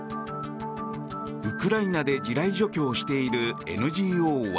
ウクライナで地雷除去をしているＮＧＯは。